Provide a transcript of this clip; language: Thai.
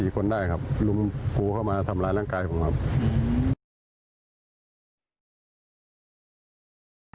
คนได้ครับลุมกูเข้ามาทำร้ายร่างกายผมครับ